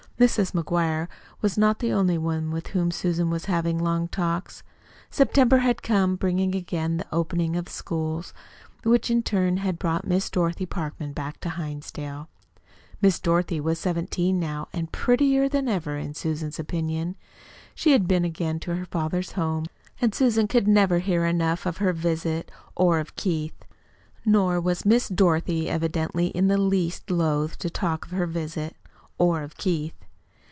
Mrs. McGuire was not the only one with whom Susan was having long talks. September had come bringing again the opening of the schools, which in turn had brought Miss Dorothy Parkman back to Hinsdale. Miss Dorothy was seventeen now, and prettier than ever in Susan's opinion. She had been again to her father's home; and Susan never could hear enough of her visit or of Keith. Nor was Miss Dorothy evidently in the least loath to talk of her visit or of Keith.